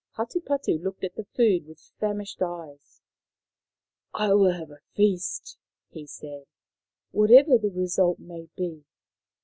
Hatupatu looked at the food with famished eyes. " I will have a feast," he said, " whatever the result may be."